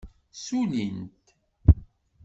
Ssulin-t.